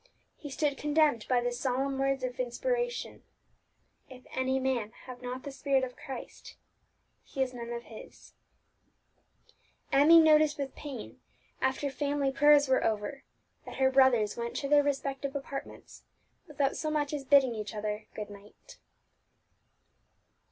He stood condemned by the solemn words of inspiration, If any man have not the spirit of Christ, he is none of His. Emmie noticed with pain, after family prayers were over, that her brothers went to their respective apartments without so much as bidding each other good night.